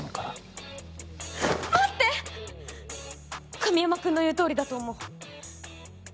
神山君の言うとおりだと思う。